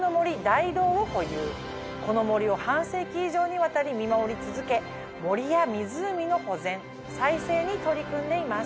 この森を半世紀以上にわたり見守り続け森や湖の保全・再生に取り組んでいます。